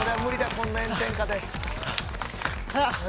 こんな炎天下で。